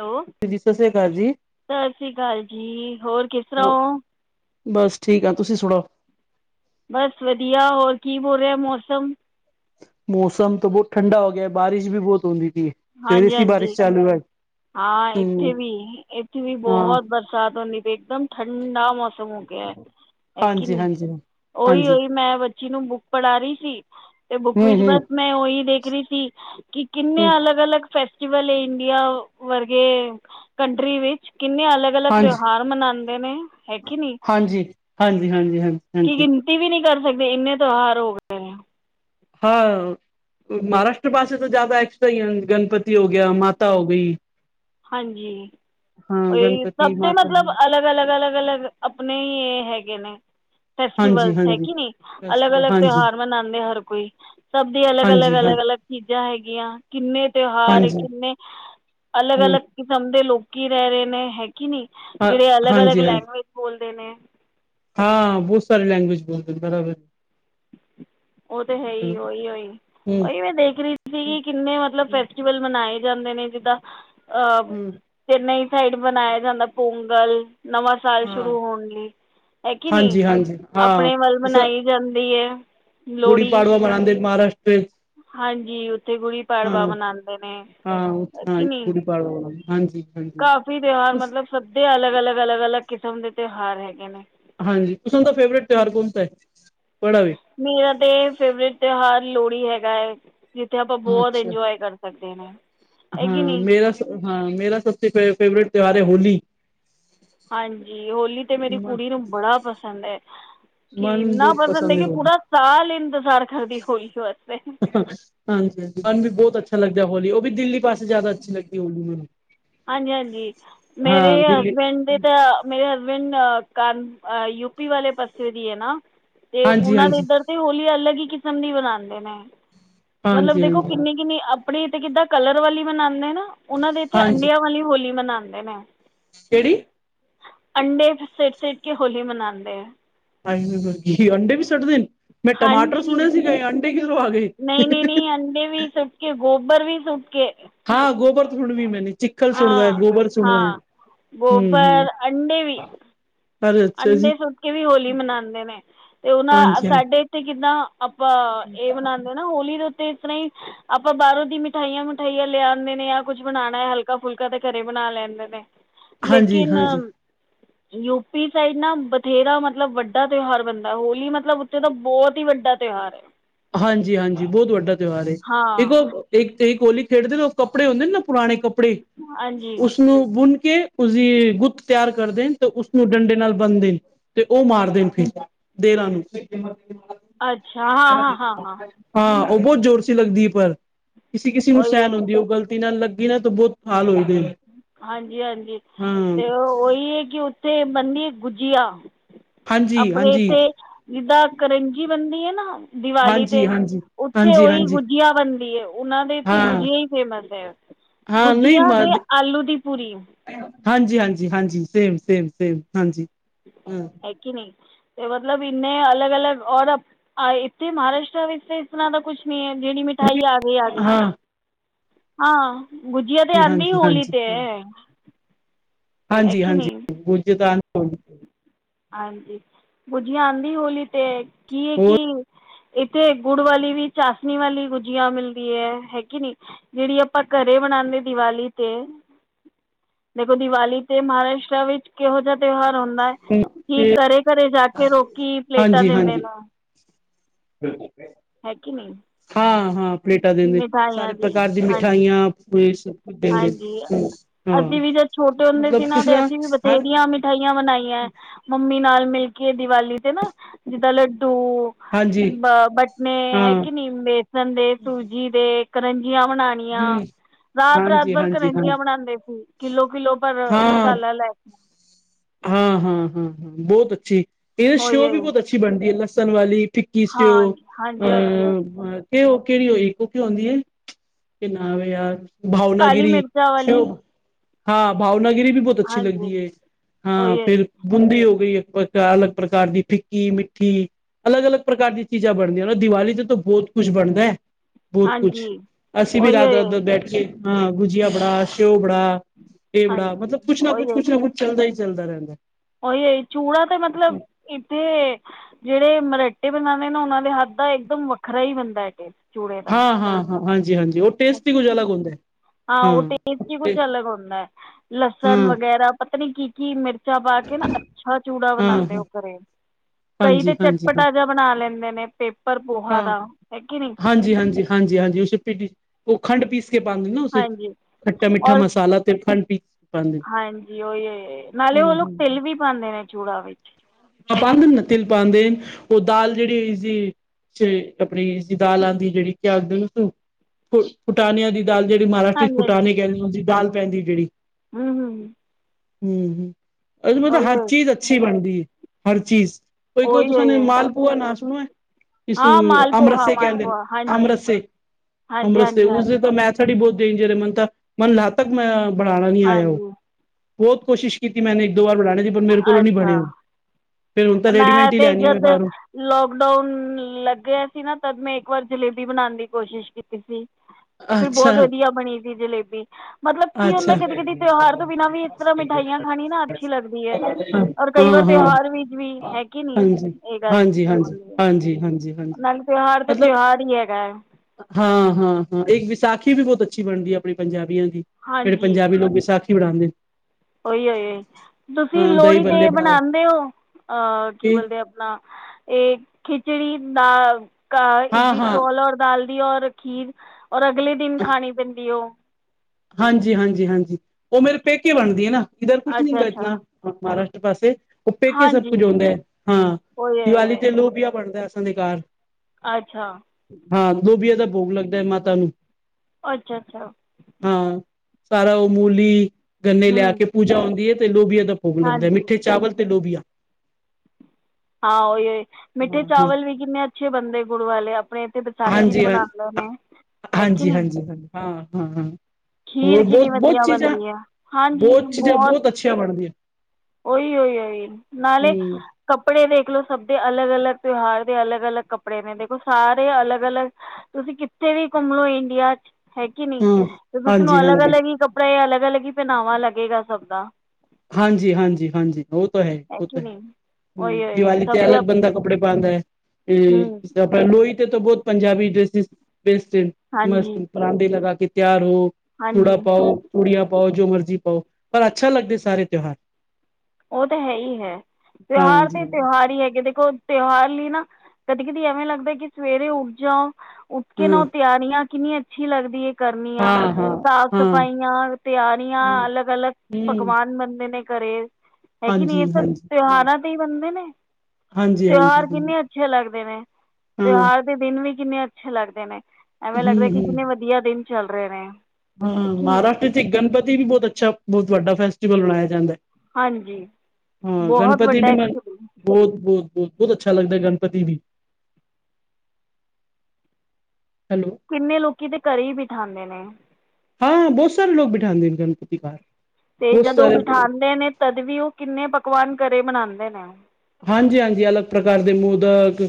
ਲੋ, ਜੀ ਸਤਿ ਸ੍ਰੀ ਅਕਾਲ ਜੀ ਸਾ ਸਿ ਕਾਲ ਜੀ, ਹੋਰ ਕਿਸ ਤਰ੍ਹਾਂ ਹੋ? ਬਸ ਠੀਕ ਆ, ਤੁਸੀਂ ਸੁਣੋ ਬਸ ਵਧੀਆ, ਹੋਰ ਕੀ ਬੋਲ ਰਿਹਾ ਮੌਸਮ। ਮੌਸਮ ਤਾਂ ਬਹੁਤ ਠੰਢਾ ਹੋ ਗਿਆ ਬਾਰਿਸ਼ ਵੀ ਬਹੁਤ ਹੁੰਦੀ ਪੀ ਏ, ਸਵੇਰੇ ਹਾਂਜੀ ਸੀ ਹਾਂਜੀ ਬਾਰਿਸ਼ ਚਾਲੂ ਹੈ। ਹਾਂ ਏਥੇ ਹੂੰ ਵੀ। ਇੱਥੇ ਵੀ ਹਾਂ ਬੋਹੋਤ ਬਰਸਾਤ ਹੁੰਦੀ ਪਈ ਇਕ ਦਮ ਠੰਡਾ ਮੌਸਮ ਹੋ ਗਿਆ ਐ। ਹਾਂਜੀ-ਹਾਂਜੀ। ਓਹਿ ਓਹਿ ਮੈਂ ਵ। ਚੀ ਨੂੰ ਬੁੱਕ ਪੜਾ ਰਹੀ ਸੀ, ਤੇ ਬੁੱਕ ਹੂੰ ਵਿਚ ਹੂੰ ਬਸ ਮੈਂ ਉਹੀ ਦੇਖ ਰਹੀ ਸੀ। ਕਿ ਕਿੰਨੇ ਹੂੰ ਅਲੱਗ-ਅਲੱਗ ਫੈਸਟੀਵਲ ਹੈ ਇੰਡੀਆ ਓ। ਵਰਗੇ ਕੰਟਰੀ ਵਿੱਚ, ਕਿੰਨੇ ਅਲੱਗ-ਅਲੱਗ ਹਾਂਜੀ ਤਿਉਹਾਰ ਮਨਾਉਂਦੇ ਨੇ। ਕਿ ਨਹੀਂ ਹਾਂਜੀ, ਹਾਂਜੀ-ਹਾਂਜੀ-ਹਾਂਜੀ-ਹਾਂਜੀ। ਈ ਵੀ ਨਹੀਂ ਕਰ ਸਕਦੇ, ਇੰਨੇ ਤਉਹਾਰ ਹੋ। ਹ। ਹਾਉ, ਮਹਾਰਾਸ਼ਟਰ ਪਾਸੇ ਤਾਂ ਜ਼ਿਆਦਾ ਐ। ਕਇਅਨ ਗਣਪਤੀ ਹੋ ਗਿਆ, ਮਾਤਾ ਹੋ ਗਈ। ਹਾਂਜੀ, ਅਹਿ ਗਣਪਤੀ ਸਭ ਤੇ ਮਾਤਾ ਮਤਲਬ ਅਲੱਗ। ਅਲੱਗ-ਅਲੱਗ-ਅਲੱਗ ਅਪਣੇ ਹੀ ਇਹ ਹੈਗੇ ਨੇ। ਹਾਂਜੀ ਫੈਸਟੀਵਲ ਹਾਂਜੀ ਹੈਕਿ ਨੇੀ, ਹਾਂਜੀ ਅਲੱਗ-ਅਲੱਗ ਤਿਉਹਾਰ ਹਾਂਜੀ ਮਨਾਂਦੇ ਹਰ ਕੋਈ। ਸਭ ਦੀ ਹਾਂ ਅਲਗ-ਅਲੱਗ-ਅਲੱਗ-ਅਲੱਗ ਚੀਜ਼ਾਂ ਹੈਗੀਆਂ, ਕਿੰਨੇ ਤਿਉਹਾਰ ਹਾਂਜੀ ਕਿੰਨੇ। ਹੂੰ ਅਲਗ-ਅਲੱਗ। ਕਿਸਮ ਦੇ ਲੋਕੀ ਰੇਹ ਰਹੇ ਨੇ, ਹੈਕਿ ਨੀ ਹਾਂ ਜਿਹੜੇ ਅਲੱਗ-ਅਲੱਗ ਹਾਂਜੀ ਹਾਂਜੀ ਲੈਂਗੁਏਜ ਬੋਲਦੇ ਨੇ। ਹਾਂ, ਬਹੁਤ ਸਾਰੇ ਲੈਂਗੁਏਜ ਬੋਲਦੇ ਨੇ [inaudible] ਓਹ ਤੇ ਹੈ ਹੀ ਓਹੀ ਓਹੀ, ਹੂੰ ਓਹੀ ਮੈਂ ਦੇਖ ਰਹੀ। ਸੀ ਕਿੰਨੇ ਮਤਲਬ ਫੈਸਟੀਵਲ ਮਨਾਏ ਜਾਂਦੇ ਨੇ ਜਿੱਦਾਂ ਅ। ਹੂੰ ਚੇੱਨਈ ਸਾਈਡ ਬਨਾਇਆ ਜਾਂਦਾ, ਪੋਂਂਗਲ ਨਮਸ। ਸਾਲ ਹਾਂ ਸ਼ੁਰੂ ਹੋਣ ਲਈ, ਹੈਕਿ ਨੀ, ਹਾਂਜੀ ਹਾਂਜੀ ਹਾਂ ਆਪਣੇ ਵੱਲ ਜਿਸ ਮਨਾਈ ਜਾਂਦੀ ਹੈ। ਗੁੜੀ ਲੋਹੜੀ ਪਾੜਵਾ ਮ ਰਾਂਦੇੇ ਮਹਾਰਾਸ਼ਟਰੇ ਹਾਂਜੀ ਉੱਥੇ ਗੁੜੀ ਪਾੜਵਾ ਮਨਾਉਂਦੇ ਨੇ ਹਾਂ ਉਥ ਹੈ ਕਿ ਨਹੀਂ ਗੜੀ ਵਾਲਾ ਵੀ ਹਾਂਜੀ ਹਾਂਜੀ ਿਉਹਾਰ ਮਤਲਬ ਸਧੇ ਅਲੱਗ ਅਲਗ ਅਲੱਗ ਅਲੱਗ ਕਿਸਮ ਦੇ ਤਿਉਹਾਰ ਹੈਗੇ ਨੇ ਹਾਂਜੀ ਤੁਂ ਦਾ ਫੇਵਰੇਟ ਤਿਉਹਾਰ ਕੌਣ ਤਾਂ ਹੈ ਪੜਾ ਵੀ ਮੇਰਾ ਤੇ ਫੇਵਰੇਟ ਤਿਉਹਾਰ ਲੋਹੜੀ ਹੈਗਾ ਹੈ ਜਿੱਥੇ ਆਪਾਂ ਬਹੁਤ ਅੱਛਾ ਇੰਜੋਏ ਕਰ ਸਕਦੇ ਨੇ ਹਾਂ ਹੈਗੀ ਨੀ ਮੇਰਾ ਹਾਂ ਮੇਰਾ ਸਭ ਫ ਫੇਵਰੇਟ ਤਿਉਹਾਰ ਹੈ ਹੋਲੀ ਹਾਂਜੀ ਹੋਲੀ ਤੇ ਮੇਰੀ ਕੁੜੀ ਨੂੰ ਬੜਾ ਪਸੰਦ ਹੈ ਕਿ ਮਨ ਵੀ ਇੰਨਾ ਬਹੁਤ ਪਸੰਦ ਹੈ ਕਿ ਹੋਲੀ ਪੂਰਾ ਸਾਲ ਇੰਤਜ਼ਾਰ ਕਰਦੀ ਹੋਲੀ ਵਾਸਤੇ ਾਂ ਹਾਂਜੀ ਹਾਂਜੀ ਮਨ ਵੀ ਬਹੁਤ ਅੱਛਾ ਲੱਗਦਾ ਹੈ ਹੋਲੀ ਉਹ ਵੀ ਦਿੱਲੀ ਪਾਸੇ ਜ਼ਿਆਦਾ ਅੱਛੀ ਲੱਗਗੀ ਹੋਲੀ ਮੈਨੂੰ ਹਾਂਜੀ-ਹਾਂਜੀ ਮੇਰੇ ਹਾਂ ਦਿੱਲੀ ਹਸਬੈਂਡ ਦੇ। ਤਾਂ ਮੇਰੇ ਹਸਬੈਂਡ ਕਾਨ, ਯੂਪੀ ਵਾਲੇ ਪਾਸੇ ਦੀ ਹੈ ਨਾ? ਤੇ ਹਾਂਜੀ ਹਾਂਜੀ ਓਨ੍ਹਾਂ ਦੇ ਇਧਰ ਤੇ, ਹੋਲੀ ਅਲੱਗ ਹੀ ਕਿਸਮ ਦੀ ਮਨਾਂਦੇ ਨੇ। ਮਤਲਬ ਹਾਂਜੀ ਦੇਖੋ ਹਾਂਜੀ ਕਿੰਨੀ-ਕਿੰਨੀ ਅਪਣੇ ਤੇ ਕਿੱਦਾਂ ਕਲਰ ਵਾਲੀ ਮਣਾਂਦੇ ਨਾ ਉਹਨਾਂ ਦੇ। ਹਾਂਜੀ ਅੰਡਿਆਂ ਵਾਲੀ ਹੋਲੀ ਮਨਾਂਦੇ ਨੇ। ਕਿਹੜੀ ਅੰਡੇ ਸਿਰ ਸਿਰ ਕੇ ਹੋਲੀ ਮਨਾਉਂਦੇ ਹੈ ਅਂਡੇ ਵੀ ਸੁੱਟਦੇ ਨੇ ਮੈਂ ਟਮਾਟਰ ਹਾਂਜੀ ਸੁਣਿਆ ਸੀਗਾਡ ਨਹੀਂ ਨਹੀਂ ਨਹੀਂ ਅੰਡੇ ਵੀ ਸੁੱਟ ਕੇ ਗੋਬਰ ਵੀ ਸੁੱਟ ਕੇ ਹਾਂ ਗੋਬਰਤ ਹਣ ਵੀ ਮੈਨੇ ਚਿੱਖਲ ਸੁਣਵਾ ਹੈ ਹਾਂ ਗੋਬਰ ਸੁਣਵਾ ਹੈ ਹਾਂ ਹਮ ਗੋਬਰ ਅੰਡੇ ਵੀ ਹਮ ਅਰੇ ਅੱਛਾ ਜੀ ਅੰਡੇ ਸੁੱਟ ਕੇ ਵੀ ਹੋਲੀ ਮਨਾਉਂਦੇ ਨੇ ਤੇ ਉਹਨਾਂ ਹਾਂਜੀ ਹਾਂ ਸਾਡੇ ਇੱਥੇ ਕਿੱਦਾਂ ਆਪਾਂ ਇਹ ਮਨਾਉਦੇ ਹ ਨਾ ਹੋਲੀ ਦੇ ਉੱਤੇ ਇਸ ਤਰ੍ਹਾਂ ਹੀ ਆਪਾਂ ਬਾਹਰੋਂ ਦੀ ਮਿਠਾਈਆਂ ਮਿਠਾਈਆਂ ਲਿਆ ਆਉਂਦੇ ਨੇ ਜਾਂ ਕੁੱਝ ਬਣਾਉਣਾ ਹੈ ਹਲਕਾ ਫੁਲਕਾ ਤੇ ਘਰੇ ਬਣਾ ਲੈਂਦੇ ਨੇ [inaudible] ਲੇਕਿਨ ਹਾਂਜੀ ਯੂ ਸਾਈਡ ਨਾ ਬਥੇਰਾ ਮਤਲਬ ਵੱਡਾ ਤਿਉਹਾਰ ਬਣਦਾ ਹੋਲੀ ਮਤਲਬ ਉੱਥੇ ਦਾ ਬਹੁਤ ਹੀ ਵੱਡਾ ਤਿਉਹਾਰ ਹੈ ਹਾਂਜੀ ਹਾਂਜੀ ਬਹੁਤ ਵੱਡਾ ਤਿਉਹਾਰ ਹਾਂ ਇੱਕੋ ਇੱਕਸੀ ਹੋਲੀ ਖੇਡਦੇ ਨਾ ਉਹ ਕੱਪੜੇ ਹੁੰਦੇ ਨੇ ਨਾ ਪੁਰਾਣੇ ਕੱਪੜੇ ਹਾਂਜੀ ਉਸ ਉਸਨੂੰ ਬੁਨ ਕੇ ਉਸਦੀ ਗੁੱਤ ਤਿਆਰ ਕਰਦੇਣ ਤੇ ਉਸਨੂੰ ਡੰਡੇ ਨਾਲ ਬੰਨਦੇਣ ਤੇ ਉਹ ਮਾਰਦੇਣ ਫ ਦੇਰਾਂ ਨੂੰ ਅੱਛਾ ਹਾਂ ਹਾਂ ਹਾਂ ਹਾਂ ਹਾਂ ਉਹ ਬਹੁਤ ਜ਼ੋਰ ਸੀ ਲੱਗਦੀ ਹੈ ਪਰ ਕਿਸੇ ਕਿਸੇ ਨੂੰ ਉਹੀ ਹੈ। ਸਹਿਣ ਹੁੰਦੀ ਉਹ ਗਲਤ ਨਾਲ ਲੱਗੀ ਨਾ ਤਾਂ ਬਹੁਤ ਾਲ ਹੋ ਗ ਨੇ ਹਾਂਜੀ ਹਾਂਜੀ ਤੇ ਉਹੀ ਹੈ ਕਿ ਉੱਥੇ ਮੰਨੀ ਗੁਜੀਆ ਹਾਂਜੀ ਆਪਣੇ ਹਾਂਜੀ ਤੇ ਜਿੱਦਾਂ ਕਰਜੀ ਬਣਦੀ ਹੈ ਨਾ ਦੀਵਾਲੀ ਤੇ ਹਾਂਜੀ ਹਾਂਜੀ ਉੱਥੇ ਹਾਂਜੀ ਉਹੀ ਹਾਂਜੀ ਗੁਜੀਆਂ ਬਣਦੀ ਉਹਨਾਂ ਦੇ ਤੇ ਹਾਂ ਗੁਜੀਆ ਹੀ ਫੇਮਸ ਹੈ ਹਾਂ ਨਹੀਂ ਮ ਗੁਜੀਆ ਤੇ ਆਲੂ ਦੀ ਪੂਰੀ ਹਾਂਜੀ ਹਾਂਜੀ ਹਾਂਜੀ ਸੇਮ ਸੇਮ ਸੇਮ ਹਾਂਜੀ ਹਾਂ ਹੈ ਕਿ ਨਹੀਂ ਅਤੇ ਮਤਲਬ ਇੰਨੇ ਅਲੱਗ ਅਲੱਗ ਔਰ ਆ ਇੱਥੇ ਮਹਾਰਾਸ਼ਟਟਰ ਵਿੱਚ ਤਾਂ ਇਸ ਤਰ੍ਹਾਂ ਦਾ ਕੁੱਛ ਨੀ ਹੈ ਜਿਹੜੀ ਮਿਠਾਈ ਆ ਹਾਂ ਹਾਂ ਗੁਜੀਆ ਤੇ ਜੀ ਆਉਂਦੀ ਹਾਂਜੀ ਹੋਲੀ ਹਾਂਜੀ ਤੇ ਹਾਂ ਹੈ ਹਾਂਜੀ ਕਿ ਹਾਂਜੀ ਨਹੀਂ ਗੁਜ ਤਾਂ ਹਾਂਜੀ ਗੂਜੀਆਂ ਆਉਂਦੀ ਹੋਲੀ ਤੇ ਕੀ ਹੈ ਕੀ ਇੱਥੇ ਗੁੜ ਵਾਲੀ ਵੀ ਚਾਸਨੀ ਵਾਲੀ ਗੁਜੀਆਂ ਮਿਲਦੀ ਹੈ ਹੈਗੀ ਨੀ ਜਿਹੜੀ ਆਪਾਂ ਘਰੇ ਮਨਾਉਂਦੇ ਦੀਵਾਲੀ ਤੇ ਦੇਖੋ ਦੀਵਾਲੀ ਤੇ ਮਹਾਰਾਸ਼ਟਟਰ ਵਿੱਚ ਕਿਹੋ ਜਿਹਾ ਤਿਉਹਾਰ ਹੁੰਦਾ ਹੈ ਹਾਂਜੀ ਠੀਕ ਘ ਘਰੇ ਜਾ ਕੇ ਰੋਕੀ ਪਲੇਟਾਂ ਦਿੰਦੇ ਨੇ ਬਿਲਕੁਲ ਹੈ ਕਿ ਨਹੀਂੀ ਹਾਂ ਹਾਂ ਪਲੇਟਾਂ ਦਿੰਦੇ ਸਾਰੇ ਪ੍ਰਕਾਰ ਦੀ ਮਿਠਾਈਆਂ ਹਾਂਜੀ ਹਾਂ ਅਸੀਂ ਵੀ ਜਦ ਛੋਟੇ ਮਤਲਬ ਕਿਸ ਤਰ੍ਹਾਂ ਹਰ [unintelligible] ਬਨਾਈਆਂ ਮੰਮੀ ਨਾਲ ਮਿਲ ਕੇ ਦੀਵਾਲੀ ਤੇ ਨਾ ਜਿੱਦਾਂ ਲੱਡੂ ਹਾਂਜੀ ਬ ਬਟਣੇ ਹੈ ਹਾਂ ਕੀ ਨੀ ਬੇਸਣ ਦੇ ਸੂਜੀ ਦੇ ਕਰੰਜੀਆਂ ਬਣਾ [unintelligible] ਨੀਆਂ ਹੂੰ ਰਾਤ-ਰਾਤ ਹਾਂਜੀ ਭਰ ਹਾਂਜੀ ਹਾਂਜੀ ਹਾਂ ਕਰੰਗੀਆ ਬਣਾਂਦੇ ਸੀ ਕਿੱਲੋ-ਕਿਲੋ ਪਰ ਮਸਾਲਾ ਲੈ ਕੇ ਹਾਂ-ਹਾਂ-ਹਾਂ-ਹਾਂ ਬੋਤ ਅੱਛੀ ਏਦੇ ਉਹੀ ਸ਼ੋਅ ਵੀ ਉਹੀ ਬੋਤ ਅੱ ਛੀ ਬਣਦੀ ਐ ਲਸਣ ਵਾਲੀ ਫਿੱਕੀ ਹਾਂ ਸਿਓ ਹਾਂਜੀ ਹਾਂਜੀ ਹਾਂਜੀ ਅ ਕੇ ਓ ਕੇਰੀ ਹੋਈ ਓ ਕੀ ਹੋਂਦੀਂ ਏ ਨਾ ਓ ਯਾਰ ਕਾਲੀ ਭਾਵਨਾਗਿਰੀ ਮਿਰਚਾਂ ਵਾਲੀ ਹਾਂ ਭਾਵਨਾਗਿਰੀ ਵੀ ਬੋ ਅੱਛੀ ਹਾਂਜੀ ਲੱਗਦੀ ਹੈ ਹਾਂ ਉਹੀ ਫੇਿਰ ਬੂੰਦੀ ਹੋ ਗਈ ਇੱਕ ਪ੍ਰ ਅਲਗ ਪ੍ਰਕਾਰ ਦੀ ਫਿੱਕੀ ਮਿੱਠੀ ਅਲੱਗ ਅਲੱਗ ਪ੍ਰਕਾਰ ਦੀਆਂ ਚੀਜ਼ਾਂ ਬਣਦੀਆਂ ਦੀਵਾਲੀ ਤੇ ਤੋ ਬੋਤ ਕੁੱਝ ਬਣਦੈ। ਹਾਂਜੀ। ਅਸੀਂ ਵੀ ਉਹੀ ਰਾਧ ਉਹੀ [unintelligible] ਬੈਠ ਕੇ ਹਾਂ ਗੁਜੀਆ ਬੜਾ ਸਿਓ ਬੜਾ। [unintelligible] ਬੜਾ ਹਾਂਜੀ ਮਤਲਬ ਕੁੱਛ ਨਾ ਕੁੱਛ ਕੁੱਛ ਨਾ ਕੁੱਛ ਚੱਲਦਾ ਈ ਚੱਲਦਾ ਰੈਂਦੈ । ਓਹੀ ਐ ਚੂੜਾ ਤੇ ਮਤਲਬ ਇੱਥੇ ਜੇੜ੍ਹੇ ਮਰਅਟੇ ਬਨਾਨੇ ਹਾਂ-ਹਾਂ-ਹਾਂ ਹਾਂਜੀ। ਅੱਛਾ ਹਾਂ ਓ ਟੇਸਟ ਈ ਕੁੱਛ ਅਲੱਗ ਹੁੰਦੈ ਹਾਂ ਲਸਣ ਵਗੈਰਾ ਪਤਾ ਨੀ ਕੀ ਕੀ ਮਿਰਚਾਂ ਪਾ ਕੇ ਨਾ ਅੱਛਾ ਚੂੜਾ ਹਾਂ ਬਣਾਂਦੇ ਓ ਹਾਂ ਘਰੇ ਕਈ ਤੇ ਹਾਂਜੀ ਹਾਂਜੀ ਹਾਂ ਚਟਪਟਾ ਜਾ ਬਣਾ ਲੈਂਦੇ ਨੇ ਪੇ ਪਰ ਪੋਹਾ ਦਾ ਹੈ ਕੇ ਨੀ ਹਾਂਜੀ-ਹਾਂਜੀ-ਹਾਂਜੀ-ਹਾਂਜੀ ਓ ਪੀ ਓ ਖੰਡ ਪੀਸ ਕੇ ਪਾਂਦੇ ਨਾ ਉਸ ਚ ਹਾਂਜੀ ਖੱਟਾ ਮਿੱਠਾ ਔਰ ਮਸਾਲਾ ਤੇ ਖੰਡ ਪੀ ਹਾਂਜੀ ਓਈ ਏ ਨਾਲੇ ਓ ਲੋਕ ਤਿਲ ਵੀ ਪਾਂਦੇ ਨੇ ਚੂੜਾਂ ਵਿੱਚ ਪਾਂਦੇ ਨਾ ਤਿਲ ਪਾਂਦੇ ਓ ਦਾਲ ਜੇੜੀ [unintelligible] ਆਪਣੀ ਜ ਦਾਲਾਂ ਦੀ ਜੇੜੀ ਦਾਲ ਜੇੜੀ ਮਹਾਰਾਸ਼ਟਰ ਚ ਹਾਂਜੀ ਫੁਟਾ ਨੀ ਕੇਂਦੇ ਦਾਲ ਪੈਂਦੀ ਜੇੜੀ ਹੂੰ-ਹੂੰ ਹੂੰ-ਹੂੰ [unintelligible] ਮਤਲਬ ਹਰ ਉਹੀ ਉਹੀ ਚੀਜ਼ ਅੱਛੀ ਬਣਦੀ ਏ ਹਰ ਚੀਜ਼ ਕੋਈ-ਕੋਈ ਉਹੀ [unintelligible] ਉਹੀ ਮਾਲ ਪੂਆ ਨਾ ਸੁਣੇ ਇਸ ਹਾਂ ਮਾਲਪੋਹਾ ਅੰਮਰਸੇ ਕੈਂਦੇ ਨੇ ਮਾਲਪੋਹਾ ਹਾਂਜੀ ਹਾਂਜੀ ਅੰਮਰਸੇ-ਅੰਮਰਸੇ ਹਾਂਜੀ ਹਾਂਜੀ ਉਸਦੇ ਤਾਂ ਮੈਚ ਸਾਡੀ ਬੋਤ ਡੇਂਜਰ ਐ ਮਨ ਤਾਂ ਮਨ ਲੱ ਤੱਕ ਮੈਂ ਬਣਾਣਾ ਨੀ ਆਇਆ ਓ ਹਾਂਜੀ ਬੋਤ ਕੋਸ਼ਿਸ਼ ਕੀਤੀ ਮੈਨੇ ਇੱਕ ਦੋ ਵਾਰ ਬਣਾਣੇ ਦੀ ਪਰ ਮੇਰੇ ਕੋਲੋਂ ਨੀ ਅੱਛਾ ਬਣਿਆ। ਮੈਂ ਤੇ ਜਦ ਲੋਕਡਾਊਨ ਲੱਗਿਆ ਸੀ ਨਾ ਤਦ ਮੈਂ ਇੱਕ ਵਾਰ ਜਲੇ ਫਿਰ ਬੋਤ ਵਧੀਆ ਬਣੀ ਸੀ ਜਲੇਬੀ। ਮਤਲਬ ਕੀ ਹੁੰ ਔਰ ਕਈ ਹਾਂ ਵਾਰ ਹਾਂ ਤਿਉਹਾਰ ਵੀ ਵੀ ਹਾਂਜੀ ਹਾਂਜੀ ਹਾਂਜੀ ਹਾਂਜੀ ਹਾਂਜੀ ਹਾਂਜੀ ਹਾਂ-ਹਾਂ-ਹਾਂ ਇੱ ਜੇੜ੍ਹੇ ਪੰਜਾਬੀ ਲੋਕ ਵਿਸਾਖੀ [unintelligible] ਓਹੀ ਓ ਏ ਤੁਸੀਂ ਹਾਂ ਦਹੀਂ ਲੋਹੜੀ ਤੇ ਬੱਲੇ ਬਣਾਓ ਬਣਾਂਦੇ ਓ ਅਹ ਕੀ ਇਹ ਬੋਲਦੇ ਆ [unintelligible] ਏ ਖਿਚੜੀ ਦਾ ਕਾ ਹਾਂ ਇਸਦੀ ਹਾਂ ਚੌਲ ਔਰ ਦਾਲਦੀ ਔਰ ਖੀਰ ਔਰ ਅਗਲੇ ਦਿਨ ਖਾਣੀ ਪੈਂਦੀ ਓ। ਹਾਂਜੀ-ਹਾਂਜੀ-ਹਾਂਜੀ ਓ ਮੇਰੇ ਪੇਕੇ ਬਣਦੀ ਐ ਨਾ ਇੱਧਰ ਕੁੱਛ ਨੀ ਅੱਛਾ ਗਾ ਅੱਛਾ ਇਤਨਾ। ਹਾਂ ਮਹਾਰਾਸ਼ਟਰ ਪਾਸੇ ਓ ਪੇਕੇ ਸਭ ਹਾਂਜੀ ਕੁੱਝ ਹੁੰਦੈ ਹਾਂ ਉਹੀ ਦੀਵਾਲੀ ਉਹੀ ਤੇ ਉਹੀ [unintelligible] ਕਾਰ ਅੱਛਾ। ਹਾਂ ਲੋੋਬੀਆ ਦਾ ਬੋਗ ਲੱਗਦਾ ਐ ਮਾਤਾ ਨੂੰ। ਅੱਛਾ-ਅੱਛਾ ਹਾਂ ਸਾਰਾ ਓ ਮੂਲੀ ਗੰਨੇ ਲਿਆ ਕੇ ਪੂਜਾ ਹੁੰਂਦੀ ਏ ਤੇ ਲੋਬੀਆ ਦਾ ਭੋਗ ਲੱਗਦਾ ਹਾਂਜੀ ਮਿੱਠੇ ਚਾਵਲ ਤੇ ਲੋਬੀਆ। ਹਾਂ ਓਹੀ ਓਏ ਹਾਂ ਮਿੱਠੇ ਹਾਂ ਚਾਵਲ ਵੀ ਕਿੰਨੇ ਅੱਛੇ ਬਣਦੇ ਗੁੜ ਵਾਲੇ ਆਪਣੇ ਇੱਥੇ ਵਿਸਾਖੀ ਜ ਹਾਂਜੀ ਹਾਂ ਬਣਾ [unintelligible] ਨੇ ਹੈ ਕੀ ਨੀ ਹਾਂ-ਹਾਂ-ਹਾਂ ਹੋਰ ਕਿੰਨੀ ਬੋਤ ਬੋਤ ਵਧੀਆ ਚੀਜ਼ਾਂ ਬਣਦੀ ਆ ਹਾਂਜੀ ਬੋਤ ਚੀਜ਼ਾਂ ਬੋਤ ਅੱਛੀ [unintelligible] ਬਣਦੀ ਏ ਓਈ-ਓਈ-ਓਈ ਨਾਲੇ ਹਮ ਕੱਪੜੇ ਦੇਖਲੋ ਸਭ ਦੇ ਅਲੱਗ-ਅਲੱਗ ਤਿਉਹਾਰ ਦੇ ਅਲੱਗ-ਅਲੱਗ ਕੱਪੜੇ ਨੇ ਦੇਖੋ ਸਾਰੇ ਅਲੱਗ-ਅਲੱਗ ਤੁਸੀਂ ਕਿੱਥੇ ਵੀ ਘੁੰਮਲੋ ਇੰਡੀਆ ਚ ਹੈ ਕੀ ਨੀ ਹਾਂ ਤੇ ਤੁਸੀ ਨੂੰ ਹਾਂਜੀ ਹਾਂਜੀ ਅਲੱਗ-ਅਲੱਗ ਈ ਕੱਪੜੇ ਅਲੱਗ-ਅਲੱਗ ਹੀ ਪਹਿਨਾਵਾ ਲੱਗੇਗਾ ਸਭ ਦਾ। ਹਾਂਜੀ-ਹਾਂਜੀ-ਹਾਂਜੀ ਓ ਤਾਂ ਹੈ ਓ ਕਿ ਤਾਂ ਨਹੀਂ ਹੈ। ਹੂੰ ਉਹੀ ਉਹੀ ਦੀਵਾਲੀ ਤੇ ਸਭ ਦੇ ਅਲੱਗ ਬੰਦਾ ਆਪਣੇ ਕੱਪੜੇ ਪਾਂਦੈ ਹਮ [unintelligible] ਲੋਈ ਤੇ ਤਾਂ ਬੋਤ ਪੰਜਾਬੀ ਡਰੈਸਸ ਹਾਂਜੀ ਚੂੜਾ ਹਾਂਜੀ ਪਾਓ ਚੂੜੀਆਂ ਓ ਤਾਂ ਹੈ ਈ ਹੈ ਤਿਉਹਾਰ ਹਾਂਜੀ ਤੇ ਤਿਉਹਾਰ ਹੀ ਹੈਗੇ ਦੇਖੋ ਤਿਉਹਾਰ ਲਈ ਨਾ ਕਦੀ-ਕਦੀ ਐਵੇਂ ਲੱਗਦਾ ਕਿ ਸਵੇਰੇ ਉੱਗ ਜਾਓ। ਉੱਠ ਕੇ ਨਾ ਹਾਂ ਓ ਤਿਆਰੀਆਂ ਕਿੰਨੀ ਅੱਛੀ ਲੱਗਦੀ ਐ ਕਰਨੀਆਂ। ਹਾਂ ਹਾਂ ਹਾਂ ਸਾਫ-ਸਫ਼ਾਈਆਂ ਤਿਆਰੀਆਂ ਅਲੱਗ-ਅਲੱਗ ਹਮ ਪਕਵਾਨ ਬਣਦੇ ਨੇ ਘਰੇ। ਲੇਕਿਨ ਏ ਹਾਂਜੀ ਸਭ ਹਾਂਜੀ ਹਾਂ ਤਿਉਹਾਰਾਂ ਤੇ ਹੀ ਬਨਦੇ ਨੇ। ਹਾਂਜੀ ਹਾਂਜੀ ਤਿਉਹਾਰ ਹਾਂਜੀ ਕਿੰਨੇ ਅੱਛੇ ਲੱਗਦੇ ਨੇ ਹਾਂ ਹਮ ਤਿਉਹਾਰ ਤੇ ਦਿਨ ਵੀ ਕਿੰਨੇ ਅੱਛੇ ਲੱਗਦੇ ਨੇ, ਐਵੇਂ ਲੱਗਦਾ ਕੀ ਕਿੰਨੇ ਵਧੀਆ ਦਿਨ ਚੱਲ ਰਏ ਨੇ। ਹੂੰ, ਹੈ ਕਿ ਨਹੀਂ ਮਹਾਰਾਸ਼ਟਰ ਚ ਗਣਪਤੀ ਵੀ ਬੋਤ ਅੱਛਾ, ਬਹੁਤ ਵੱਡਾ ਫੈਸਟੀਵਲ ਮਨਾਇਆ ਜਾਂਦੈ। ਹਾਂਜੀ ਬੋਹਤ ਵੱਡਾ ਐਕ [unintelligible] ਬੋਤ-ਬੋਤ-ਬੋਤ ਬੋਤ ਅੱਛਾ ਲੱਗਦੈ ਗਣਪਤੀ ਵੀ। ਹੈਲੋ। ਕਿੰਨੇ ਲੋਕੀ ਤੇ ਘਰੇ ਈ ਬਿੱਠਾਂਦੇ ਨੇ। ਹਾਂ ਬੋਤ ਸਾਰੇ ਲੋਕ ਬਿੱਠਾਂਦੇ ਨੇ ਗਣਪਤੀ ਕਾਰ। ਤੇ ਜਦ ਓ ਬਿੱਠਾਂਦੇ ਨੇ ਤਦ ਵੀ ਓ ਕਿੰਨੇ ਪਕਵਾਨ ਘਰੇ ਬਣਾਦੇ ਨੇ। ਹਾਂਜੀ-ਹਾਂਜੀ ਅਲੱਗ ਪ੍ਰਕਾਰ ਦੇ ਮੋਦਕ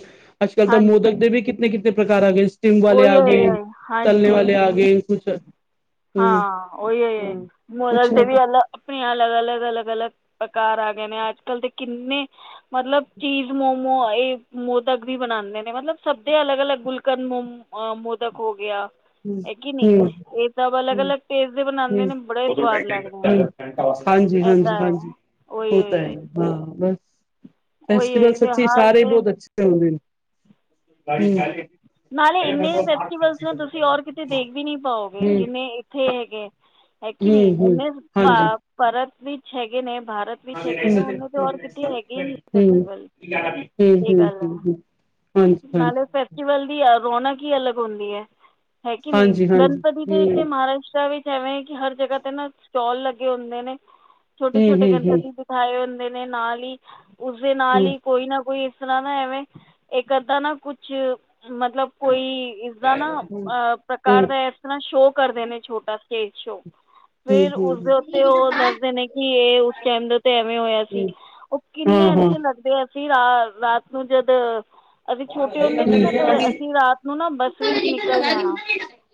ਅੱਜ ਕੱਲ ਤਾਂ ਮੋਦਕ ਹਾਂਜੀ ਦੇ ਵੀ ਕਿਤਨੇ ਕਿਤਨੇ ਪ੍ਰਕਾਰ ਆ ਗੇ [unintelligible] ਵਾਲੇ ਉਹੀ ਆ ਹੋਏ ਗੇ ਹੋਏ ਤਲਨੇ ਹਾਂਜੀ ਵਾਲੇ ਆ ਗਏ ਕੁੱਛ ਹਾਂ ਓਹੀ [unintelligible] ਕੁਛ ਮੋਦਕ ਨਾ ਦੇ ਵੀ ਅਲੱਗ ਆਪਣੇ ਅਲੱਗ-ਅਲੱਗ-ਅਲੱਗ-ਅਲੱਗ ਪ੍ਰਕਾਰ ਆ ਗਏ ਨੇ ਅੱਜ ਕੱਲ ਤੇ ਕਿੰਨੇ ਮਤਲਬ ਚੀਜ਼ ਮੋਮੋ ਏ ਮੋਦਕ ਵੀ ਬਣਾਂਦੇ ਨੇ ਮਤਲਬ ਸਭ ਦੇ ਅਲੱਗ-ਅਲੱਗ ਗੁਲਕ [unintelligible] ਮੋ ਅ ਮੋਦਕ ਹੋ ਗਿਆ। ਹੂੰ-ਹੂੰ ਸਬ ਅਲੱਗ-ਅਲੱਗ ਟੇਸਟ ਦੇ ਬਣਾਂਦੇ ਨੇ, ਬੜੇ ਸਵਾਦ ਲੱਗਦੇ ਨੇ, ਹਾਂਜੀ ਐਦਾ ਹਾਂਜੀ ਏ। ਹਾਂਜੀ ਹੋਤਾ ਹੈ ਓਏ [unintelligible] ਹਾਂ ਬਸ, ਫੈਸਟੀਵਲ ਅਤੇ ਸੱਚੀ, ਹਰ ਸਾਰੇ ਈ ਕੋਈ ਬੋਤ ਅੱ ਚਲਦੇ ਹੂੰ। [unintelligible] ਨਾਲੇ ਇੰਨੇ ਫੈਸਟੀਵਲਜ ਨੂੰ ਤੁਸੀਂ ਓਰ ਕਿਤੇ ਦੇਖ ਵੀ ਨੀ ਪਾਓਗੇ, ਹਮ ਜਿੰਨੇ ਇੱਥੇ ਹੇਗੇ। ਹੈ ਕੀ ਨੀ, ਹਮ ਹਮ ਜਿੰਨੇ ਹਾਂਜੀ ਪਾ ਪਰਤ ਵਿੱਚ ਹੈਗੇ ਨੇ, ਭਾਰਤ ਵਿੱਚ ਹੈਗੇ ਨੇ ਓਨੇ ਤਾਂ ਔਰ ਕਿਤੇ ਹੈਗੇ ਹੀ ਨਹੀਂ ਫੈਸਟੀਵਲ ਇਹ ਗੱਲ ਹੂੰ-ਹੂੰ-ਹੂੰ-ਹੂੰ-ਹੂੰ-ਹੂੰ [unintelligible] ਹਾਂਜੀ-ਹਾਂਜੀ। ਵੱਲ ਦੀ ਰੌਣਕ ਈ ਅਲੱਗ ਹੁੰਦੀ ਐ, ਹੈ ਕੀ ਨੀ, ਹਾਂਜੀ, ਗਣਪਤੀ ਹਾਂਜੀ, ਦੇ ਇੱਥੇ ਹੂੰ, ਮਹਾਰਾਸ਼ਟਰਾ ਵਿੱਚ ਐਵੇਂ ਕਿ ਹਰ ਜਗ੍ਹਾ ਤੇ ਨਾ ਸਟੋਲ ਲੱਗੇ ਹੁੰਦੇ ਨੇ, ਹੂੰ, ਛੋਟੇ-ਛੋਟੇ ਹੂੰ, ਹੂੰ, ਹੂੰ। ਹੂੰ, ਹੂੰ, ਗਣਪਤੀ ਦੇ ਠਾਏ ਹੁੰਦੇ ਨੇ, ਨਾਲ ਹੀ ਉਸਦੇ ਨਾਲ ਹੀ ਕੋਈ ਨਾ ਕੋਈ ਤਣਾ ਨਾ ਐਵੇਂ, ਇੱਕ ਅੱਧਾ ਨਾ ਕੁਛ, ਮਤਲਬ ਕੋਈ ਇਸਦਾ ਨਾ, ਪ੍ਰਕਾਰ ਦਾ ਇਸ ਤਰ੍ਹਾਂ ਸ਼ੋਅ ਕਰਦੇ ਨੇ, ਛੋਟਾ ਸਟੇਜ ਸ਼ੋਅ। ਫਿਰ ਹੂੰ, ਉਸਦੇ ਉੱਤੇ ਉਹ ਦੱਸਦੇ ਨੇ ਕਿ, ਇਹ ਉਸ ਟਾਈਮ ਦੇ ਉੱਤੇ ਐਵੇਂ ਹੋਇਆ ਹੂੰ। ਸੀ। ਹੂੰ, ਉਹ ਹਾਂ, ਕਿੰਨੇ ਹਾਂ। ਅੱਛੇ ਲੱਗਦੇ ਅਸੀਂ ਰਾ ਰਾਤ ਨੂੰ ਜਦ, ਅਸੀਂ ਛੋਟੇ ਹੁੰਦੇ ਸੀ ਨਾ ਅਸੀਂ ਰਾਤ ਨੂੰ ਨਾ ਬੱਸ ਵਿੱਚ ਨਿਕਲ ਜਾਣਾ,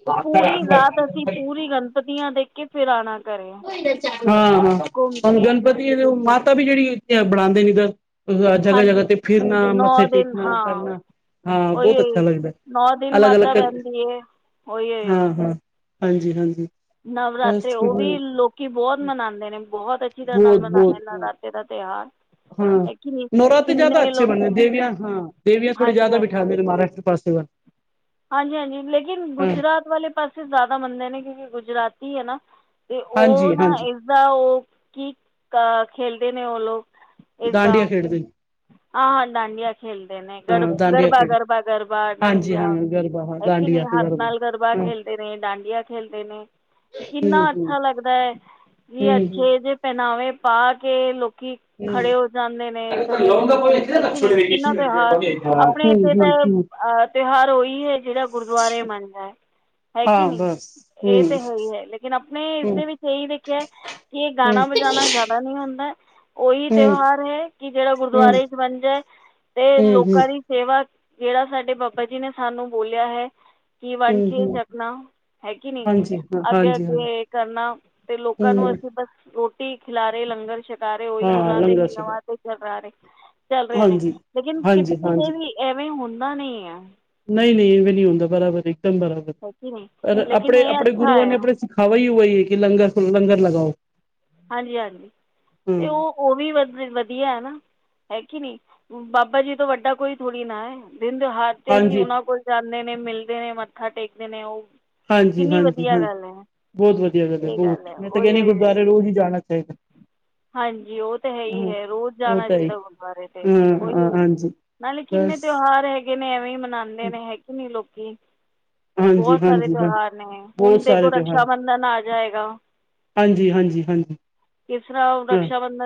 ਤੇ ਪੂਰੀ ਰਾਤ ਅਸੀਂ, ਪੂਰੀ ਪੂਰੀ ਗਣਪਤੀਆਂ ਦੇਖ ਕੇ ਫਿਰ ਆਣਾ, ਕਰੇ। ਹਾਂ ਹਾਂ ਹੁਣ ਗਣਪਤੀ ਮਾਤਾ ਵੀ ਜਿਹੜੀ, ਇਥੇ ਬਣਾਦੇ ਦੇ ਨੇ ਇਧਰ ਜਗ੍ਹਾ ਜਗ੍ਹਾ ਹਾਂਜੀ ਤੇ ਫਿਰਨਾ, ਨੌ ਮੱਥੇ ਦਿਨ ਟੇਕਣਾ ਹਾਂ ਕਰਨਾ ਹਾਂ, ਉਹੀ ਬਹੁਤ ਉਹੀ ਅੱਛਾ ਲੱਗਦੈ, ਨੌ ਦਿਨ ਅਲੱਗ ਅਲੱਗ ਮਾਤਾ ਕਰ ਬਹਿੰਦੀ ਹੈ ਉਹੀ ਏ ਹਾਂਜੀ -ਹਾਂਜੀ। ਨਵਰਾਤਰੇ ਬਸ ਉਹ ਵੀ ਬਹੁਤ, ਲੋਕੀ ਬਹੁਤ ਮਨਾਂਦੇ ਨੇ। ਬਹੁਤ ਅ ਬੋਤ-ਬੋਤ-ਬੋਤ। [unintelligible] ਦਾ ਤਿਹਾਰ ਹਾਂ। ਨਵਰਾਤੇ ਜਾਦਾ ਅੱਛੇ ਬਣੇ ਲੋਕੀ ਦੇਵੀਆਂ ਹਾਂ, ਦੇਵੀਆਂ ਥੋੜੀ ਹਾਂਜੀ ਜਾਦਾ ਹਾਂਜੀ ਬਿਠਾ ਦੇਂਨੇ ਮਹਾਰਾਸ਼ਟਰ ਪਾਸੇ ਵ ਹਾਂਜੀ- ਹਾਂਜੀ, ਲੇਕਿਨ ਗੁਜਰਾਤ ਵਾਲੇ ਪਾਸੇ ਜਾਦਾ ਮੰਦੇ ਨੇ ਕਿਉਂਕਿ, ਗੁਜਰਾਤੀ ਹੈ ਨਾ ਤੇ ਓ ਹਾਂਜੀ ਨਾ ਹਾਂਜੀ ਇਸਦਾ ਓ ਕੀ ਕ, ਖੇਲਦੇ ਨੇ ਓ ਲੋਕ? ਏਜਾਂ, ਡਾਂਡੀਆਂ ਖੇਡਦੇ ਆਹਾ ਡਾਡੀਆਂ ਖੇਲਦੇ ਨੇ, ਹਾਂ ਗਰ ਡਾਂਡੀਆਂ ਗਰਬਾ- ਖੇਡ ਗਰਬਾ, ਗਰਬਾ, ਹਾਂਜੀ ਹਾਂ ਡਾਂਡੀਆ ਗਰਬਾ ਹਾਂ ਹੈਕੇ ਨੀਂ, ਡਾਂਡੀਆਂ ਹੱਥ ਨਾਲ ਗਰਬਾ ਹਾਂ ਖੇਲਦੇ ਨੇ, ਡਾਂਡੀਆਂ ਖੇਲਦੇ ਨੇ। ਅਤੇ ਹੂੰ ਕਿੰਨਾ ਹੂੰ ਅੱਛਾ ਲੱਗਦੈ, ਵੀ ਹੂੰ ਅੱਛੇ ਜੇ ਪਹਿਨਾਵੇ ਪਾ ਕੇ, ਲੋਕੀ ਹੂੰ ਖੜੇ ਹੋ ਜਾਂਦੇ ਨੇ ਇਹ ਸਭ ਹੈ ਕਿ ਨਹੀਂ ਕਿੰਨਾ ਤਿਉਹਾਰ ਆਪਣੇ ਹੂੰ ਇੱਥੇ ਹੂੰ ਤਾਂ ਹੂੰ ਅਹ ਤਿਉਹਾਰ ਉਹੀ ਹੈ ਜਿਹੜਾ ਗੁਰਦੁਆਰੇ ਮੰਨਦਾ ਹੈ ਹੈ ਕੀ ਹਾਂ ਨਹੀਂ ਬਸ ਹੂੰ ਇਹ ਤੇ ਹੋ ਹੀ ਹੈ, ਲੇਕਿਨ ਆਪਣੇ ਹੂੰ ਇਸਦੇ ਵਿੱਚ ਇਹੀ ਦੇਖਿਆ, ਕਿ ਇਹ ਹੂੰ ਗਾਣਾ ਵਜਾਣਾ ਜ਼ਿਆਦਾ ਦਾ ਨੀ ਹੁੰਦੈ ਉਹੀ ਹੂੰ ਹੂੰ ਤਿਉਹਾਰ ਹੈ, ਕਿ ਜਿਹੜਾ ਹੂੰ ਗੁਰਦੁਆਰੇ ਚ ਬਨ ਜਾਏ, ਤੇ ਹੂੰ ਲੋਕਾਂ ਦੀ ਸੇਵਾ ਜਿਹੜਾ ਸਾਡੇ ਬਾਬਾ ਜੀ ਨੇ ਸਾਨੂੰ ਬੋਲਿਆ ਹੈ। ਕੀ ਵਨ ਹੂੰ ਕੇਜ ਹੂੰ ਆਪਣਾ ਹੈ ਕੀ ਨੀਂ ਹਾਂਜੀ ਹਾਂ ਅੱਗੇ ਹਾਂਜੀ ਹਾਂਜੀ -ਅੱਗੇ ਕਰਨਾ, ਤੇ ਲੋਕਾਂ ਨੂੰ ਹੂੰ ਅਸੀਂ ਬਸ ਰੋਟੀ ਰਟੀ ਖਿਲਾਰੇ ਲੰਗਰ ਛਕਾਰੇ, ਉਓਹੀ ਹਾਂ ਉਹਨਾਂ ਦੇ ਲੰਗਰ ਛਕਾ ਨਯਮਾਂ ਤੇ ਚ ਰਾਰੇ ਚੱਲ ਰਹੇ ਨੇ, ਹਾਂਜੀ ਲੇਕਿਨ ਹਾਂਜੀ ਕਿੱਥੇ ਹਾਂਜੀ ਵੀ ਐਵੇਂ ਹੁੰਦਾ ਨਈ ਐ। ਨਹੀਂ ਨਹੀਂ ਇਹਵੇਂ ਨਹੀਂੀ ਹੁੰਦਾ ਬਰਾਬਰ ਇੱਕਦਮ ਬਰਾਬਰ ਹੈ ਕਿ ਨਹੀਂ ਪਰ ਲੇਕਿਨ ਆਪਣੇ ਇਹ ਆਪਣੇ ਅੱਛਾ ਗੁਰੂਆਂ ਹੈ ਨੇ ਆਪਣੇਿੱ ਖਵਾਈ ਹਈ ਹੈ ਕਿ ਲੰਗਰ ਲੰਗਰ ਲਗਾਓ ਹਾਂਜੀ ਹਾਂਜੀ ਤੇ ਉਹ ਉਹ ਵੀ ਵਧ ਵਧੀਆ ਹੈ ਨਾ ਹੈਗੀ ਨੀ ਬਾਬਾ ਜੀ ਤੋਂ ਵੱਡਾ ਕੋਈ ਥੋੜੀ ਨਾ ਦਿਨ ਦਿ ਹਥ ਅਸੀਂ ਹਾਂਜੀ ਉਹਨਾਂ ਕੋਲ ਜਾਂਦੇ ਨੇ ਮਿਲਦੇ ਨੇ ਮੱਥਾ ਟੇਕਦੇ ਨੇ ਉਹ ਹਾਂਜੀ ਕਿੰਨੀ ਹਾਂਜੀ ਵਧੀਆ ਹਾਂ ਗੱਲ ਹੈ ਬਹੁਤ ਵਧੀਆ ਗੱਲ ਹੈ ਇਹ ਬਹੁਤ ਮੈਂ ਤਾਂ ਉਹੀ ਕਹਿਦੀ ਉਹੀ ਗੁਰਦੁਆਰੇ ਰੋਜ਼ ਹੀ ਜਾਣਾ ਚਾਹੀਦਾ ਹਾਂਜੀ ਉਹ ਤਾਂ ਹੈ ਹੀ ਹਾਂ ਹੈ ਰੋਜ਼ ਉਹ ਜਾਣਾ ਤਾਂ ਹੀ ਚਾਹੀਦਾ ਗੁਰਦੁਆਰੇ ਤੇ ਉਹੀ ਹਾਂ ਹੋ ਹਾਂਜੀ ਨਾਲੇ ਕਿੰਨੇ ਬਸ ਤਿਉਹਾਰ ਹੈਗੇ ਨੇ ਐਵੇਂ ਹੀ ਮਨਾਉਂਦੇ ਨੇ ਹੈਗੇ ਨਹੀਂੀ ਲੋਕੀ, ਹਾਂਜੀ ਬਹੁਤ ਸਾਰੇ ਹਾਂਜੀ ਹਾਂ ਤਿਉਹਾਰ ਨੇ ਹੁਣ ਬਹੁਤ ਦੇਖੋ ਸਾਰੇ ਰਕਸ਼ ਤਿਉਹਾਰ ਬੰਧਨ ਆ ਜਾਏਗਾ, ਹਾਂਜੀ ਹਾਂਜੀ ਹਾਂਜੀ ਕਿਸ ਤਰ੍ਹਾਂ ਹਾਂ ਨਕਸ਼ਾ ਬ